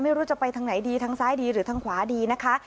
ไม่รู้จะไปทางไหนดีทางซ้ายดีหรือทางขวาดีนะคะ